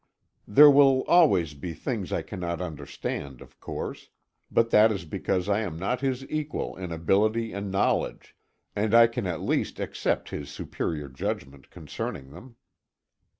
There will always be things that I cannot understand, of course, but that is because I am not his equal in ability and knowledge, and I can at least accept his superior judgment concerning them.